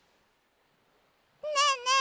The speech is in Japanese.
ねえねえ